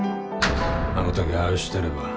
「あの時ああしてれば」